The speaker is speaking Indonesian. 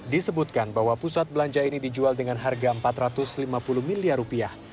disebutkan bahwa pusat belanja ini dijual dengan harga empat ratus lima puluh miliar rupiah